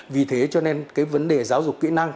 vì thế cho nên cái vấn đề giáo dục kỹ năng